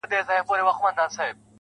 چي ورځ کي يو ساعت ور نه سمه جدي سي وايي_